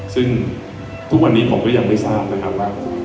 ซึ่งทุกวันนี้ผมก็ยังไม่ทราบนะครับว่า